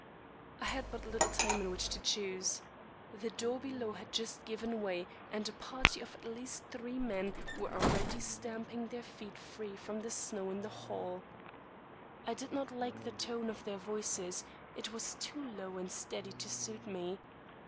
I had but little time in which to choose. The door below had just given way and a party of at least three men were already stamping their feet free from snow in the hall. I did not like the tone of their voices, it was too low and steady to suit me.